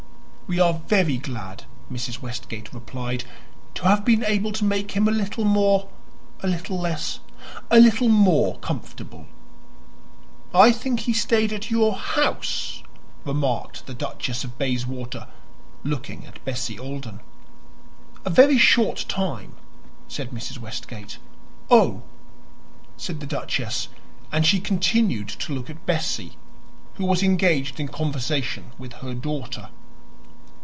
"We are very glad," Mrs. Westgate replied, "to have been able to make him a little more a little less a little more comfortable." "I think he stayed at your house," remarked the Duchess of Bayswater, looking at Bessie Alden. "A very short time," said Mrs. Westgate. "Oh!" said the duchess; and she continued to look at Bessie, who was engaged in conversation with her daughter.